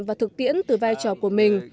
và thực tiễn từ vai trò của mình